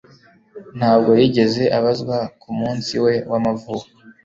Ntabwo yigeze abazwa ku munsi we wamavuko.